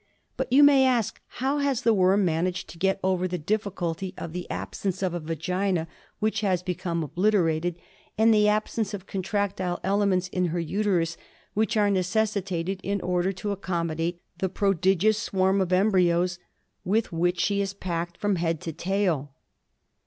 But, you may ask, how has the worm managed to get over the difficulty of the absence of a vagina which had become obliterated, and the absence of contractile elements in her uterus, which was necessitated in order to accommodate the prodigious swarm of embryos with which she is packed from head to tail